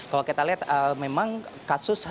kalau kita lihat memang kasus